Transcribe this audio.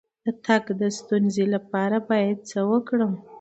د تګ د ستونزې لپاره باید څه وکړم؟